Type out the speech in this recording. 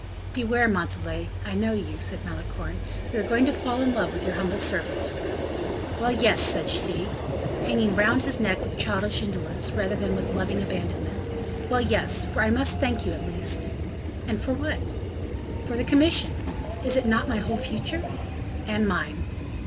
"Beware, Montalais, I know you," said Malicorne; "you are going to fall in love with your humble servant." "Well, yes!" said she, hanging round his neck with childish indolence, rather than with loving abandonment. "Well, yes! for I must thank you at least." "And for what?" "For the commission; is it not my whole future?" "And mine."